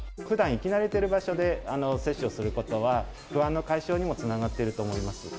ふだん行き慣れてる場所で接種をすることは、不安の解消にもつながってると思います。